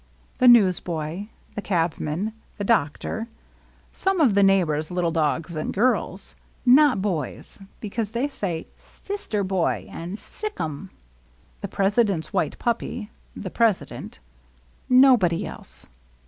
The newsboy. The cabman. The doctor. Some of the neighbors' little dogs and girls. Not boys, because they say "Sister boy!" and " Sickum !" The president's white puppy. The president. Nobody else.